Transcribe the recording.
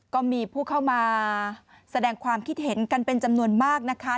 ก็มีผู้เข้ามาแสดงความคิดเห็นกันเป็นจำนวนมากนะคะ